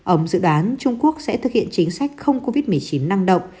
ông dự đoán trung quốc sẽ thực hiện chính sách không covid một mươi chín năng động